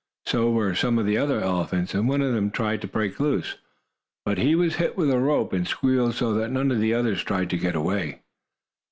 So were some of the other elephants, and one of them tried to break loose. But he was hit with a rope, and squealed so that none of the others tried to get away.